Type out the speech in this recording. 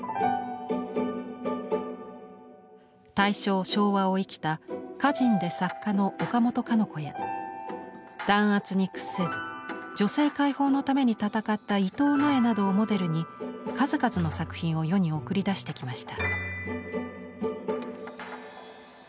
大正、昭和を生きた歌人で作家の岡本かの子や弾圧に屈せず女性解放のために闘った伊藤野枝などをモデルに数々の作品を世に送り出してきました。